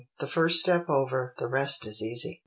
The first step over, the rest is easy."